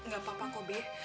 gak apa apa kok be